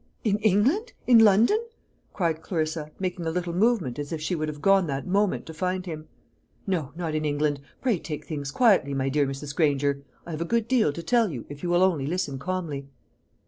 "In England in London?" cried Clarissa, making a little movement as if she would have gone that moment to find him. "No, not in England. Pray take things quietly, my dear Mrs. Granger. I have a good deal to tell you, if you will only listen calmly."